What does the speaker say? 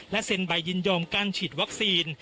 เซ็นใบยินยอมการฉีดวัคซีน